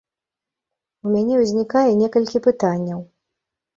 У мяне ўзнікае некалькі пытанняў.